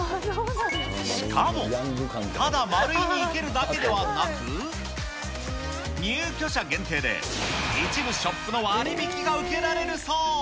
しかも、ただマルイに行けるだけではなく、入居者限定で、一部ショップの割引が受けられるそう。